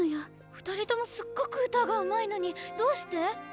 ２人ともすっごく歌がうまいのにどうして？